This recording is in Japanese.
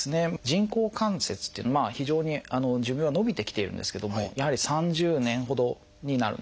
人工関節っていうのは非常に寿命は延びてきているんですけどもやはり３０年ほどになるんですね。